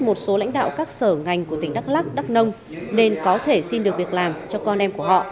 một số lãnh đạo các sở ngành của tỉnh đắk lắc đắk nông nên có thể xin được việc làm cho con em của họ